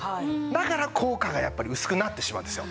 だから効果がやっぱり薄くなってしまうんですよ。